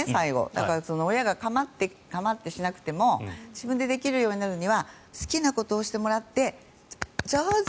だから、親が構ってしなくても自分でできるようになるには好きなことをしてもらって上手！